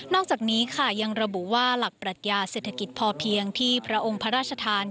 อกจากนี้ค่ะยังระบุว่าหลักปรัชญาเศรษฐกิจพอเพียงที่พระองค์พระราชทาน